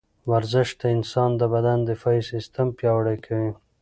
ورزش د انسان د بدن دفاعي سیستم پیاوړی کوي.